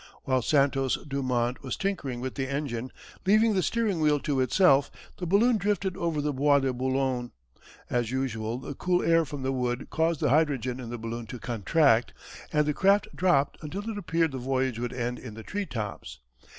While Santos Dumont was tinkering with the engine, leaving the steering wheel to itself, the balloon drifted over the Bois de Boulogne. As usual the cool air from the wood caused the hydrogen in the balloon to contract and the craft dropped until it appeared the voyage would end in the tree tops.